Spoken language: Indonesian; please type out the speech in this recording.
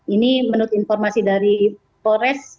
ini menurut informasi dari polres